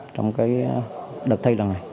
trong đợt thi lần này